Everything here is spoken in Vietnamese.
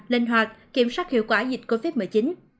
linh hoạt kiểm soát hiệu quả dịch covid một mươi chín